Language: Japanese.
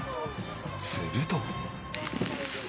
すると